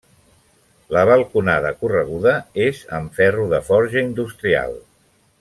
La balconada correguda és amb ferro de forja industrial.